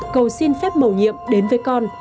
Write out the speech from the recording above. cầu xin phép mầu nhiệm đến với con